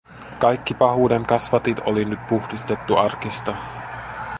Kaikki pahuuden kasvatit oli nyt puhdistettu arkista.